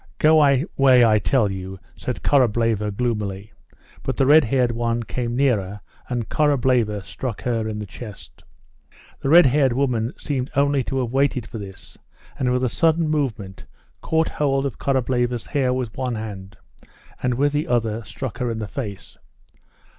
"Go away, I tell you," said Korableva gloomily, but the red haired one came nearer and Korableva struck her in the chest. The red haired woman seemed only to have waited for this, and with a sudden movement caught hold of Korableva's hair with one hand and with the other struck her in the face.